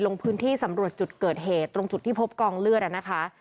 ลงพื้นที่สำรวจจุดเกิดเหตุตรงจุดที่พบกองเลือดนะคะ